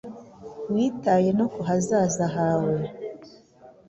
witaye no kuhazaza hawe